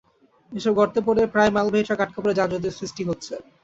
এসব গর্তে পড়ে প্রায়ই মালবাহী ট্রাক আটকা পড়ে যানজটের সৃষ্টি হচ্ছে।